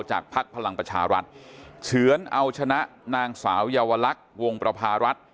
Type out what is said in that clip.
พักพลังประชารัฐเฉือนเอาชนะนางสาวเยาวลักษณ์วงประพารัฐ